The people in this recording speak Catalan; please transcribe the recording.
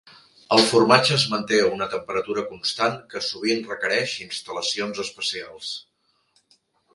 El formatge es manté a una temperatura constant que sovint requereix instal·lacions especials.